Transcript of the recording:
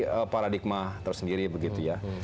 menjadi paradigma tersendiri begitu ya